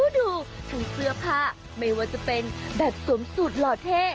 ดูทั้งเสื้อผ้าไม่ว่าจะเป็นแบบสวมสูตรหล่อเท่